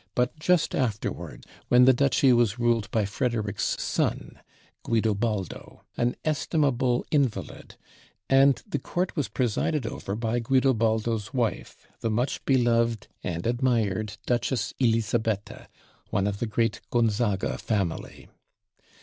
but just afterward, when the duchy was ruled by Frederic's son Guidobaldo an estimable invalid and the court was presided over by Guidobaldo's wife, the much beloved and admired Duchess Elisabetta, one of the great Gonzaga family.